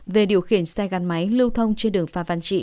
về điều khiển xe gắn máy lưu thông trên đường phan văn trị